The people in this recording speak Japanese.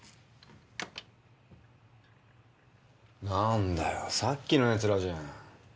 何だよさっきの奴らじゃん。